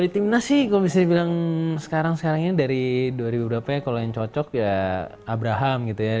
tapi gue bisa bilang sekarang sekarangnya dari dua ribu beberapa ya kalau yang cocok ya abraham gitu ya